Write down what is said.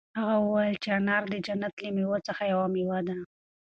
هغه وویل چې انار د جنت له مېوو څخه یوه مېوه ده.